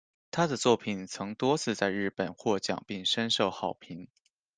她的作品曾多次在日本获奖并深受好评。